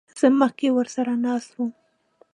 زه مخکې ورسره ناست وم.